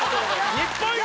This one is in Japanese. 日本一！